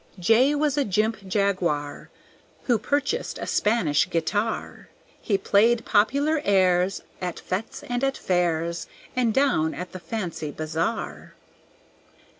J was a jimp Jaguar, Who purchased a Spanish guitar; He played popular airs At fêtes and at fairs, And down at the Fancy Bazaar.